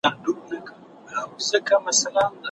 د پور اسانتياوي سوداګرو ته برابرې سوي دي.